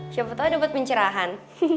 siapa tau ada buat pencerahan